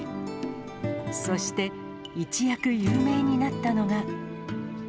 そして一躍有名になったのが。